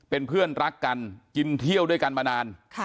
เป็นเพื่อนรักกันกินเที่ยวด้วยกันมานาน